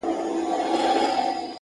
ايله چي شل _ له ځان سره خوارې کړې ده _